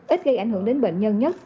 ít gây ảnh hưởng đến bệnh nhân nhất